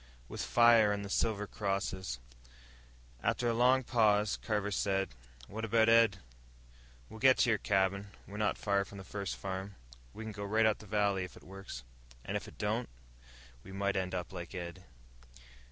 "With fire, and the silver crosses." After a long pause, Carver said, "What about Ed?" "We'll get to your cabin. We're not far from the first farm. We can go right up the valley. If it works." "And if it don't?" "We might end up like Ed."